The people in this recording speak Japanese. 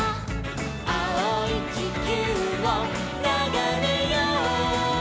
「あおいちきゅうをながめよう！」